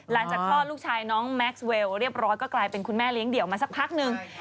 คลอดลูกชายน้องแม็กซ์เวลเรียบร้อยก็กลายเป็นคุณแม่เลี้ยเดี่ยวมาสักพักหนึ่ง